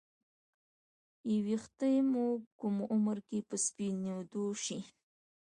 ې ویښته مو کوم عمر کې په سپینیدو شي